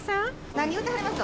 何言うてはりますの。